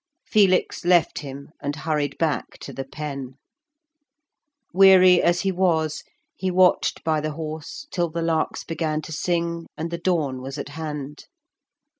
Felix left him and hurried back to the Pen. Weary as he was, he watched by the horse till the larks began to sing and the dawn was at hand.